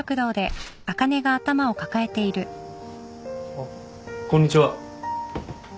あっこんにちは。